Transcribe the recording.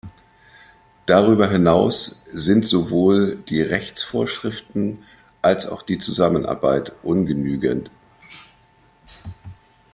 Darüber hinaus sind sowohl die Rechtsvorschriften als auch die Zusammenarbeit ungenügend.